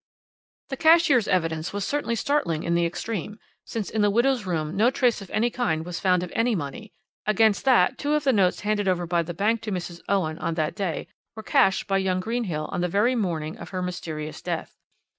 "The cashier's evidence was certainly startling in the extreme, since in the widow's room no trace of any kind was found of any money; against that, two of the notes handed over by the bank to Mrs. Owen on that day were cashed by young Greenhill on the very morning of her mysterious death.